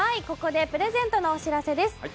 ここでプレゼントのお知らせです。